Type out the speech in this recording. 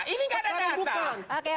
ini enggak ada data